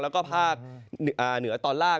แล้วก็ภาคเหนือตอนล่าง